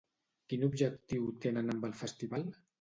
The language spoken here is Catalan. Quin objectiu tenen amb el festival?